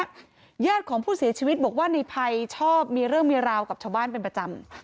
ญาติของผู้เสียชีวิตบอกว่าในภัยชอบมีเรื่องมีราวกับชาวบ้านเป็นประจำ